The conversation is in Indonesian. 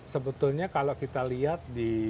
sebetulnya kalau kita lihat